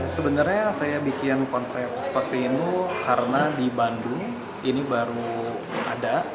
sebenarnya saya bikin konsep seperti ini karena di bandung ini baru ada